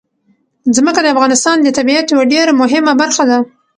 ځمکه د افغانستان د طبیعت یوه ډېره مهمه برخه ده.